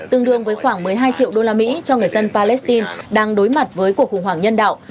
tương đương với khoảng một mươi hai triệu usd cho người dân palestine đang đối mặt với cuộc khủng hoảng nhân đạo